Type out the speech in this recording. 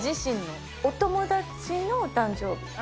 お友達の誕生日。